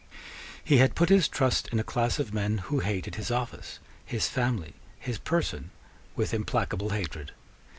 He had put his trust in a class of men who hated his office, his family, his person, with implacable hatred.